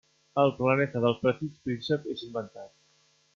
El planeta del Petit Príncep és inventat.